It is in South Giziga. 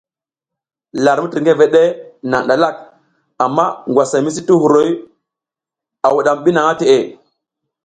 Lar mitirgeveɗ e naƞ ɗalak, amma ngwasay misi ti huruy o a wuɗam ɓi naha teʼe.